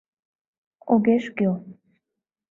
Огеш кӱл.